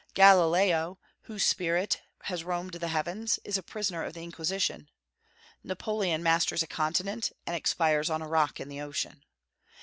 Galileo, whose spirit has roamed the heavens, is a prisoner of the Inquisition. Napoleon masters a continent, and expires on a rock in the ocean.